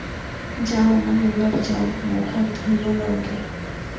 যাও মা, এবার যাও, মুখ-হাত ধুইয়া লও গে।